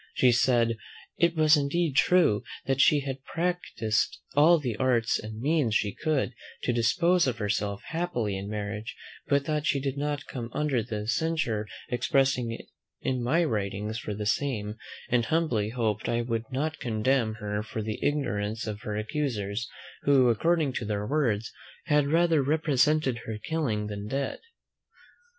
She said, "It was indeed true, that she had practised all the arts and means she could, to dispose of herself happily in marriage, but thought she did not come under the censure expressed in my writings for the same; and humbly hoped I would not condemn her for the ignorance of her accusers, who, according to their own words, had rather represented her killing than dead."